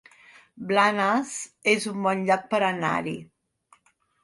Blanes es un bon lloc per anar-hi